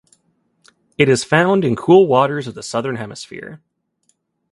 It is found in cool waters of the Southern Hemisphere.